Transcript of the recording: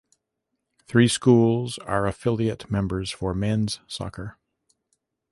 Three schools are affiliate members for men's soccer.